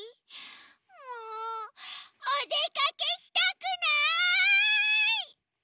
もうおでかけしたくない！